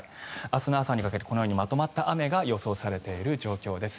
明日の朝にかけて、このようにまとまった雨が予想されている状況です。